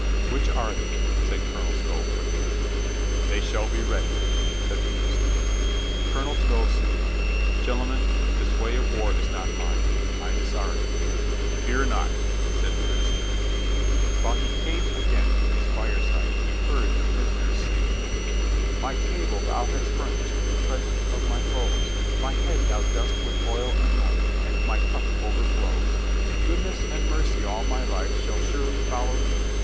"Which are they?" said Colonel Stow quickly. "They shall be ready," said the minister. Colonel Stow saluted. "Gentlemen, this way of war is not mine. I am sorry." "Fear not," said the minister. 302 COLONEL GREATHEART While he came again to his fireside, he heard the prisoners singing: My table Thou hast furnished In presence of my foes ; My head Thou dost with oil anoint, And my cup overflows. Goodness and mercy all my life Shall surely follow me.